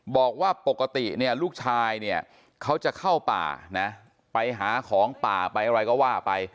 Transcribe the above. บอกว่าปกติเนี่ยลูกชายเนี่ยเขาจะเข้าป่านะไปหาของป่าไปอะไรก็ว่าไป